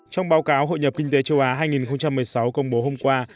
trong báo cáo hội nhập kinh tế châu á hai nghìn một mươi sáu công bố hôm qua